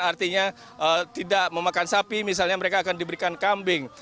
artinya tidak memakan sapi misalnya mereka akan diberikan kambing